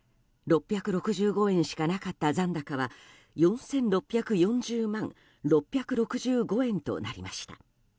６６５円しかなかった残高は４６４０万６６５円となりました。